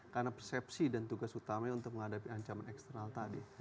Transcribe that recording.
karena persepsi dan tugas utamanya untuk menghadapi ancaman eksternal tadi